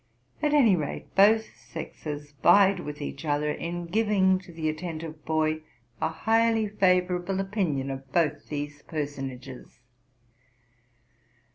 At any rate, both sexes vied with each other in giving to the attentive boy a highly favorable opinion of both these personages.